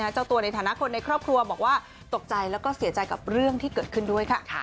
เจ้าตัวในฐานะคนในครอบครัวบอกว่าเศรษฐ์ใจกับเรื่องที่เกิดขึ้นด้วยค่ะ